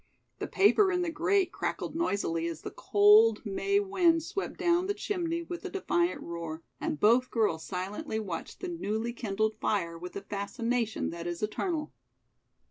The paper in the grate crackled noisily as the cold May wind swept down the chimney with a defiant roar and both girls silently watched the newly kindled fire with the fascination that is eternal.